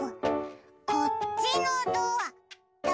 こっちのドアだあれ？